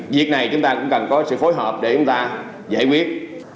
việc này chúng ta cũng cần có sự phối hợp để chúng ta giải quyết